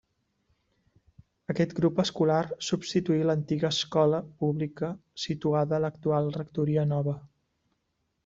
Aquest grup escolar substituí l'antiga Escola Pública situada a l'actual rectoria nova.